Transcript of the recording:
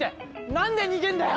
何で逃げんだよ！